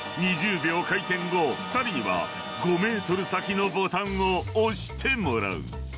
２０秒回転後２人には５ｍ先のボタンを押してもらう］